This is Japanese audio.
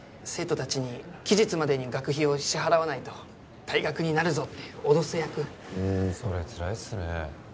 生徒達に期日までに学費を支払わないと退学になるぞって脅す役うんそれつらいっすね